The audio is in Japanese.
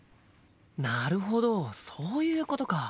なるほどそういうことか。